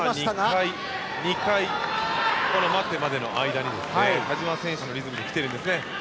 今、２回待てまでの間に田嶋選手のリズムで来てますね。